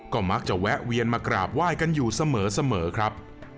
ก็มักจะแวะเวียนมากราบไหว้กันอยู่เสมอครับ